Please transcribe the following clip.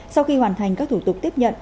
sau khi hoàn thành các thủ tục tiếp nhận